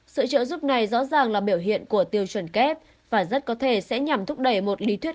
sự trợ giúp này rõ ràng là biểu hiện của tiêu chuẩn kép và rất có thể sẽ nhằm thúc đẩy một lý thuyết